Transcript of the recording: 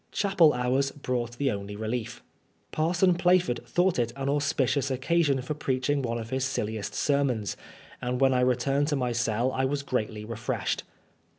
Chapel hours brought the only relief. Parson Plaf ord thought it an auspicious occasion for preaching one of his sil* liest sermons, and when I returned to my cell I was greatly refreshed.